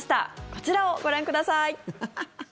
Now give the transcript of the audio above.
こちらをご覧ください。